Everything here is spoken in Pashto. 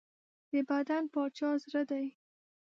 د بدن باچا زړه دی.